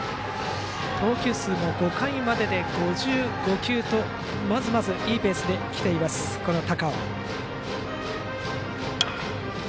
投球数も５回までで５５球とまずまずいいペースで来ているピッチャーの高尾。